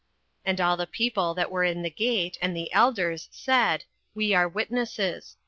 08:004:011 And all the people that were in the gate, and the elders, said, We are witnesses.